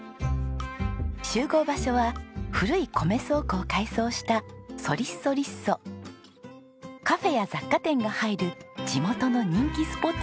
集合場所は古い米倉庫を改装したカフェや雑貨店が入る地元の人気スポットです。